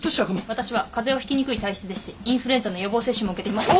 私は風邪をひきにくい体質ですしインフルエンザの予防接種も受けています。